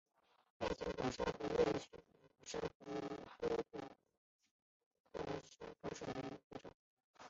变形表孔珊瑚为轴孔珊瑚科表孔珊瑚属下的一个种。